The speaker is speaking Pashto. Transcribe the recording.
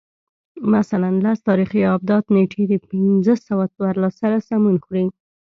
مثلاً لس تاریخي آبدات نېټې د پنځه سوه څوارلس سره سمون خوري